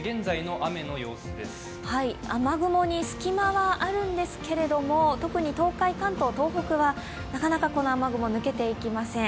雨雲に隙間はあるんですけど、特に東海、関東、東北はなかなかこの雨雲抜けていきません。